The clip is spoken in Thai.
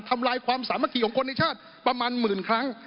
ลายความสามัคคีของคนในชาติประมาณหมื่นครั้ง